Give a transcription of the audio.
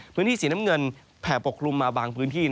พื้นที่สีน้ำเงินแผ่ปกคลุมมาบางพื้นที่